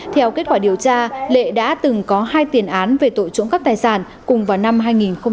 theo kết quả điều tra lệ đã từng có hai tiền án về tội trộm các tài sản cùng vào năm hai nghìn sáu